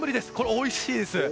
おいしいです。